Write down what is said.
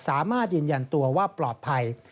สามารถยืนยันตัวว่าปลอดภัย